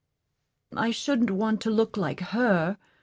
"I shouldn't want to look like her.